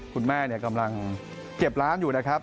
กำลังเก็บร้านอยู่นะครับ